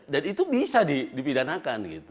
dan itu bisa dipidanakan